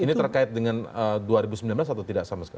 ini terkait dengan dua ribu sembilan belas atau tidak sama sekali